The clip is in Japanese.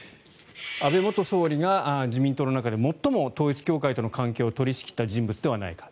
安倍元総理が自民党の中で最も統一教会との関係を取り仕切った人物じゃないか。